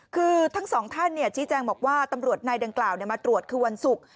คือทั้งสองท่านชี้แจงบอกว่าตำรวจนายดังกล่าวมาตรวจคือวันศุกร์